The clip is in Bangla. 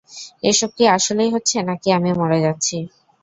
এসব কি আসলেই হচ্ছে, নাকি আমি মরে যাচ্ছি?